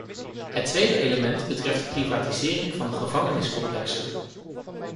Het tweede element betreft de privatisering van gevangeniscomplexen.